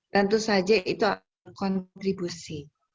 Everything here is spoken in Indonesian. tentu saja itu kontribusi